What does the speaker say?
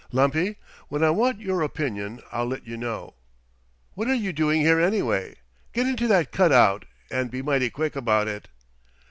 "Lumpy, when I want your opinion I'll let you know. What are you doing here, anyway? Get into that cut out and be mighty quick about it!"